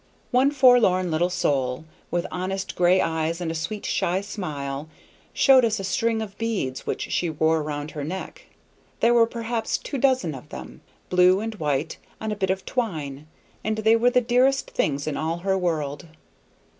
One forlorn little soul, with honest gray eyes and a sweet, shy smile, showed us a string of beads which she wore round her neck; there were perhaps two dozen of them, blue and white, on a bit of twine, and they were the dearest things in all her world.